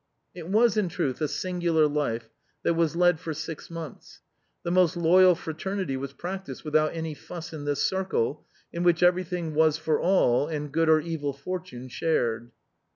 It was, in truth, a singular life that was led for six months. The most loyal fraternity was practiced without any fuss in this circle, in which everything was for all, and good or evil fortune shared.